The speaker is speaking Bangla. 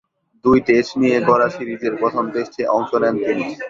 দুই টেস্ট নিয়ে গড়া সিরিজের প্রথম টেস্টে অংশ নেন তিনি।